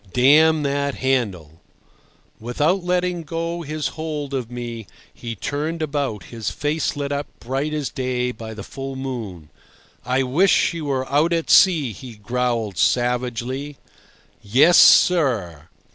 "D—n that handle!" Without letting go his hold of me he turned about, his face lit up bright as day by the full moon. "I wish she were out at sea," he growled savagely. "Yes, sir."